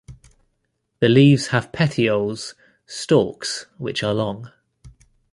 The leaves have petioles (stalks) which are long.